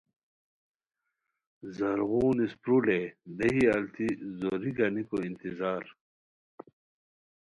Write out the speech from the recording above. زرغون اسپرو لے دیہی التی زوری گانیکو انتظار